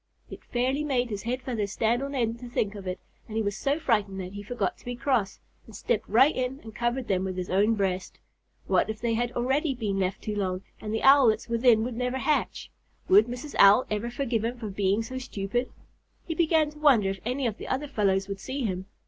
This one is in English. It fairly made his head feathers stand on end to think of it, and he was so frightened that he forgot to be cross, and stepped right in and covered them with his own breast. What if they had already been left too long, and the Owlets within would never hatch? Would Mrs. Owl ever forgive him for being so stupid? He began to wonder if any of the other fellows would see him.